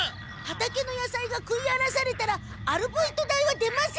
畑の野菜が食いあらされたらアルバイト代は出ません。